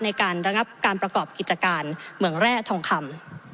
ในการระงับการประกอบกิจการเมืองแร่ทองคำ